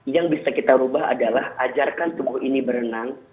yang bisa kita ubah adalah ajarkan tubuh ini berenang